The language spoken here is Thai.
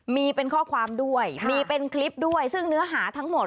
มีเป็นข้อความด้วยมีเป็นคลิปด้วยซึ่งเนื้อหาทั้งหมด